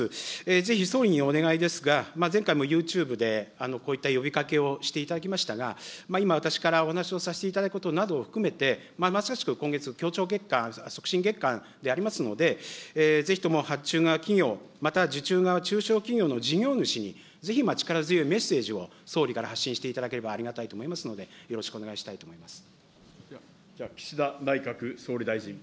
ぜひ総理にお願いですが、前回もユーチューブでこういった呼びかけをしていただきましたが、今、私からお話をさせていただくことなどを含めて、まさしく今月、きょうちょう月間、促進月間でありますので、ぜひとも発注側企業、また受注側中小企業の事業主にぜひ、力強いメッセージを総理から発信していただければありがたいと思いますので、よろしくお願いしたいと思います。